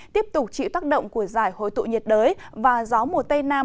tiếp tục chịu tác động của giải hồi tụ nhiệt đới và gió mùa tây nam